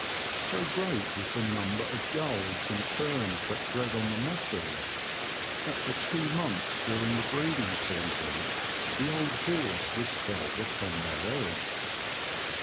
So great was the num ber of gulls and terns that bred on the mosses, that for two months during the breeding season the old horse was fed upon their eggs.